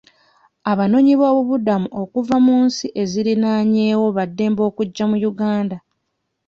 Abanoonyiboobubudamu okuva mu nsi eziriraanyeewo ba ddembe okujja mu Uganda.